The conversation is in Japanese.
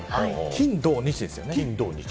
金土日ですよね。